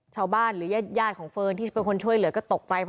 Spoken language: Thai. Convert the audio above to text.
หรือญาติของเฟิร์นที่เป็นคนช่วยเหลือก็ตกใจ